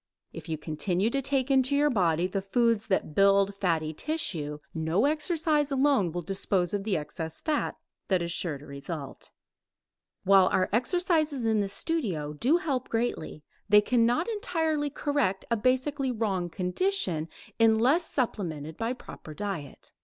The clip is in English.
If you continue to take into your body the foods that build fatty tissue, no exercise alone will dispose of the excess fat that is sure to result. While our exercises in the studio do help greatly, they cannot entirely correct a basically wrong condition unless supplemented by proper diet.